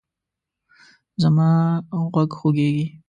زما غوږ خوږیږي